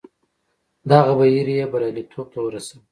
دغه بهیر یې بریالیتوب ته ورساوه.